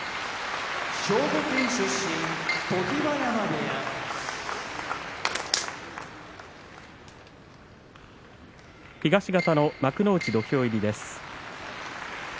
常盤山部屋東方の幕内土俵入りです。